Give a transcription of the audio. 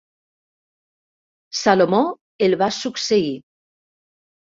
Salomó el va succeir.